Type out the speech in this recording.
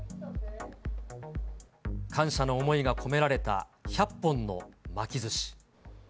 感謝の思いが込められた１００本の巻きずし。